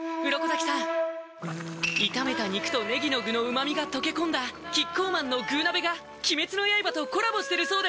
鱗滝さん炒めた肉とねぎの具の旨みが溶け込んだキッコーマンの「具鍋」が鬼滅の刃とコラボしてるそうです